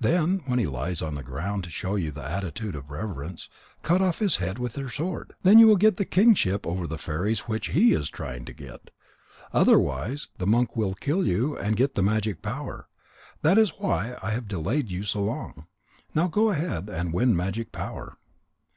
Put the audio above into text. Then when he lies on the ground to show you the attitude of reverence, cut off his head with your sword. Then you will get the kingship over the fairies which he is trying to get. Otherwise, the monk will kill you and get the magic power. That is why I have delayed you so long. Now go ahead, and win magic power."